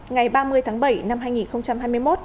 ngày ba mươi tháng bảy năm hai nghìn hai mươi một